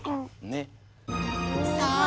さあ